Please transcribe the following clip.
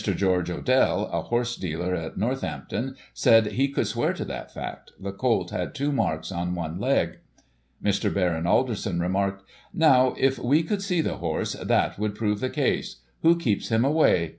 George Odell, a horse dealer at Northampton, said he could swear to that fact ; the colt had two marks on one leg. Mr. Baron Alderson remarked :" Now, if we could see the horse, that would prove the case. Who keeps him away?